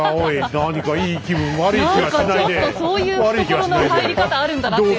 何かちょっとそういう懐の入り方あるんだなっていうのを。